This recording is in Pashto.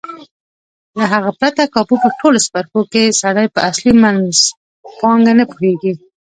له هغه پرته کابو په ټولو څپرکو کې سړی په اصلي منځپانګه نه پوهېږي.